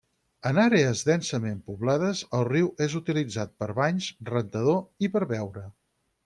En àrees densament poblades el riu és utilitzat per banys, rentador i per beure.